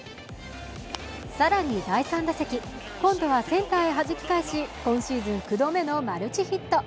更に第３打席、今度はセンターへはじき返し、今シーズン９度目のマルチヒット。